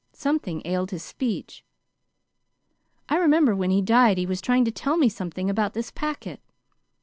Something ailed his speech. I remember when he died he was trying to tell me something about this packet.